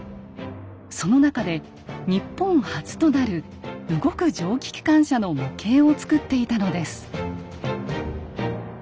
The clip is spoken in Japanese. その中で日本初となる動く蒸気機関車の模型を作っていたのです。